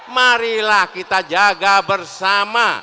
marilah kita jaga bersama